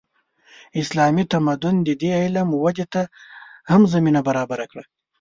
اسلامي تمدن د دې علم ودې ته هم زمینه برابره کړه.